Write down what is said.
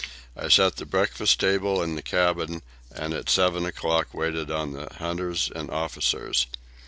I set the breakfast table in the cabin, and at seven o'clock waited on the hunters and officers.